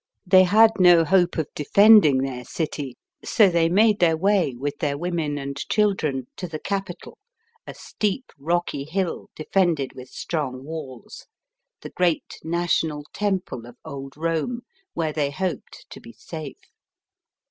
They had no hope of defend ing their city, so they made their way, with their women and children, to the Capitol, a steep rocky hill, defended with strong walls, the great national temple of old Rome, where they hoped to be safe.